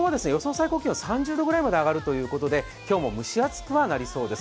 最高気温は３０度くらいまで上がるということで今日も蒸し暑くはなりそうです。